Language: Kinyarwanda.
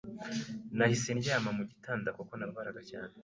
Nahise ndyama ku gitanda kuko nababaraga cyane